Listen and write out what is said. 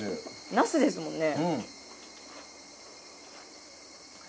ナスですもんね。